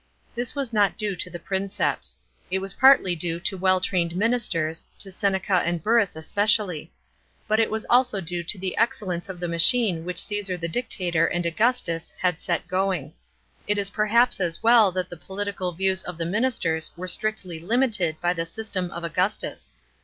This was not due to the Princeps. It was partly due to well trained ministers, to Seneca and Burrus especially ; but it was also due to the ex cellence of the machine which Caesar the Dictator and Augustus had set goin'j;. It was perhaps as well that the political views of the ministers were strictly limited by the system of Augustus.